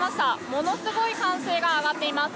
ものすごい歓声が上がっています。